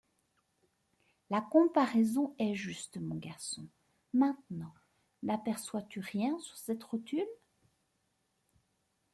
La comparaison est juste, mon garçon ; maintenant, n’aperçois-tu rien sur cette rotule ?